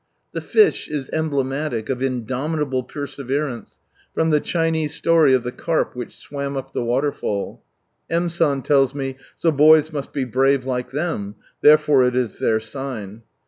The Fish is em blematic of indomitable perseverance, from the Chinese story of the carp which swam tip the waterfall. M. San tells me, " So boys n brave like them, therefore it is their sign."